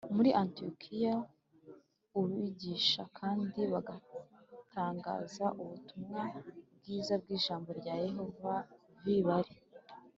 muri Antiyokiya u bigisha kandi batangaza ubutumwa bwiza bw ijambo rya Yehova v bari